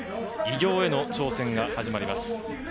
偉業への挑戦が始まります。